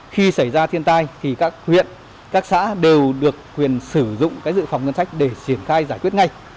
khi xảy ra thiên tai thì các huyện các xã đều được quyền sử dụng dự phòng ngân sách để triển khai giải quyết ngay